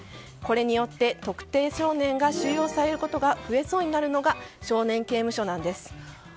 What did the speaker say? これによって、特定少年が収容されることが増えそうになるのが少年刑務所なんです。